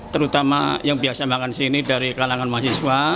terutama yang biasa makan sini dari kalangan mahasiswa